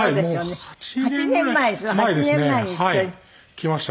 来ました。